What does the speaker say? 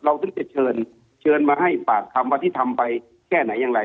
เราซึ่งจะเชิญมาให้ฝากคำว่าที่ทำไปแค่ไหนอย่างไร